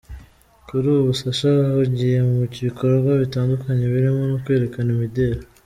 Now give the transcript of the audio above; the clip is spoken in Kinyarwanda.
Kuri ubu Sacha ahugiye mu bikorwa bitandukanye birimo no kwerekana mideli.